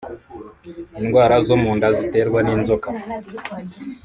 indwara zo mu nda ziterwa n’inzoka